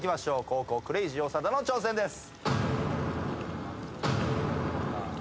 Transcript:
後攻クレイジー長田の挑戦です。